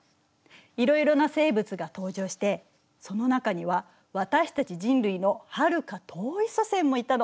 いろいろな生物が登場してその中には私たち人類のはるか遠い祖先もいたの。